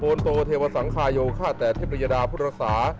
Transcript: โปนตูเทวสังครายโยข้าแต่เทพรยดาพุทธศา